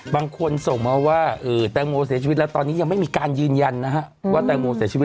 บางคนส่งมาว่าแตงโมเสียชีวิตแล้วตอนนี้ยังไม่มีการยืนยันนะฮะว่าแตงโมเสียชีวิต